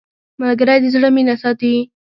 ملګری د زړه مینه ساتي